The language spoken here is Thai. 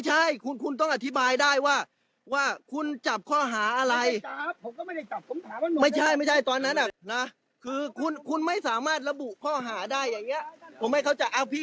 ชาวบ้านเขาก็สงสัยกันนะคุณว่านี่ตำรวจแสดงตัวข้อหาแบบนี้